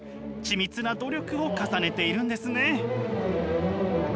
緻密な努力を重ねているんですね！